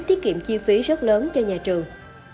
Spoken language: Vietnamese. tiết kiệm chi phí rất lớn cho nhà trường